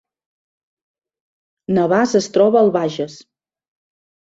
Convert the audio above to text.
Navàs es troba al Bages